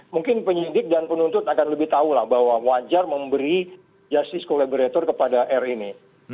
mungkin penyidik dan penuntut akan lebih tahu bahwa wajar memberi justice collaborator kepada rni